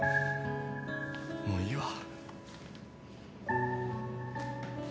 もういいわ。